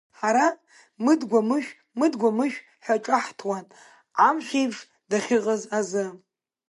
Ҳара, мыдгәа-Мышә, Мыдгәа-Мышә ҳәа ҿаҳҭуан, амшә еиԥш дахьыҟаз азы.